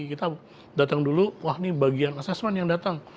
kita datang dulu wah ini bagian assessment yang datang